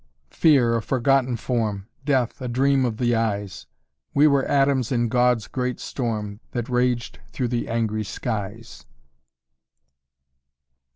"Fear, a forgotten form; Death, a dream of the eyes; We were atoms in God's great storm That raged through the angry skies!"